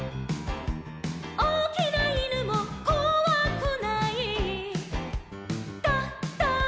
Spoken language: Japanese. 「おおきないぬもこわくない」「ドド」